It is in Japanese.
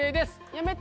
やめて！